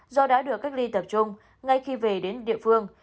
do đã được cách ly tập trung ngay khi về đến địa phương